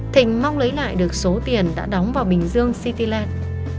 thịnh mong lấy lại được số tiền đã đóng vào bình dương cityland